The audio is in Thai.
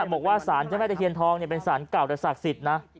บอกว่าสารเจ้าแม่ตะเคียนทองเป็นสารเก่าและศักดิ์สิทธิ์นะ